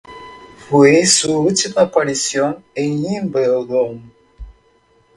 Fue su última aparición en Wimbledon.